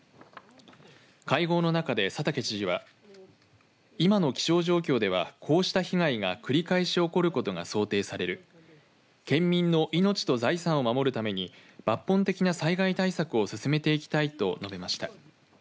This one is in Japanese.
会合の中で佐竹知事は今の気象状況ではこうした被害が繰り返し起こることが想定される県民の命と財産を守るために抜本的な災害対策を進めていきたいと述べました。